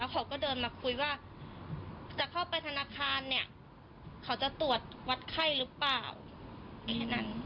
เขาก็เดินมาคุยว่าจะเข้าไปธนาคารเนี่ยเขาจะตรวจวัดไข้หรือเปล่าแค่นั้น